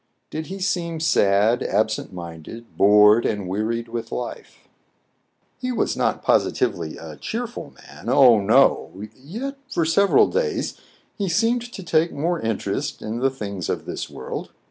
Did he seem sad, absent minded, bored, and wearied with life ? 92 TRIBULATIONS OF A CHINAMAN, He was not positively a cheerful man, oh, no ! Yet for several days he seemed to take more in terest in the things of this world.